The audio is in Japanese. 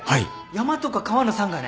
山とか河の山河ね。